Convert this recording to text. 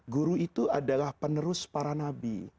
guru itu adalah penerus para nabi